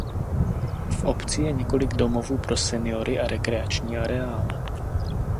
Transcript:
V obci je několik domovů pro seniory a rekreační areál.